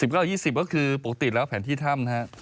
๙๒๐ก็คือปกติแล้วแผนที่ถ้ำนะครับ